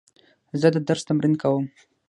زه د درس تمرین کوم.